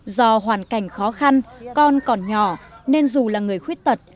do hoàn cảnh khó khăn con còn nhỏ nên dù là người khuyết tật